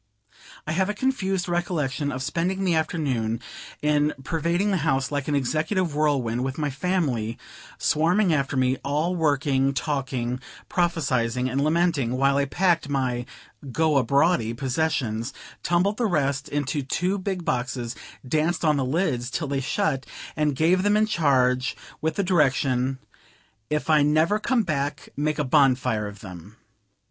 I have a confused recollection of spending the afternoon in pervading the house like an executive whirlwind, with my family swarming after me, all working, talking, prophesying and lamenting, while I packed my "go abroady" possessions, tumbled the rest into two big boxes, danced on the lids till they shut, and gave them in charge, with the direction, "If I never come back, make a bonfire of them."